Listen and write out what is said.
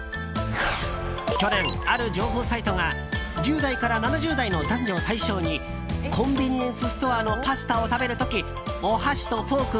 去年、ある情報サイトが１０代から７０代の男女を対象にコンビニエンスストアのパスタを食べる時お箸とフォーク